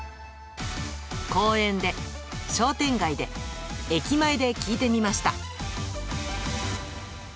公園で、商店街で、駅前で聞いてみました。